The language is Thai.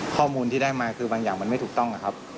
ข้อมูลที่ได้มาคือบางอย่างมันไม่ถูกต้องนะครับ